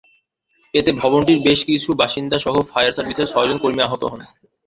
এতে ভবনটির বেশ কিছু বাসিন্দাসহ ফায়ার সার্ভিসের ছয়জন কর্মী আহত হন।